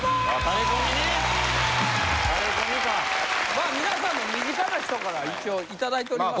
まあ皆さんの身近な人から一応頂いております。